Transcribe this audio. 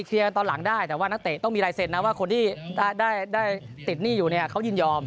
ตอนหลังได้แต่ว่านักเตะต้องมีลายเซ็นต์นะว่าคนที่ได้ติดหนี้อยู่เนี่ยเขายินยอม